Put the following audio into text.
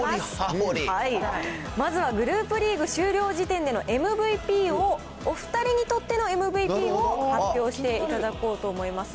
まずはグループリーグ終了時点でのＭＶＰをお２人にとってのＭＶＰを発表していただこうと思います。